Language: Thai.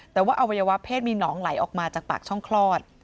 แต่ว่าอวัยวะเพศมีหนองไหลออกมาจากปากช่องคลอด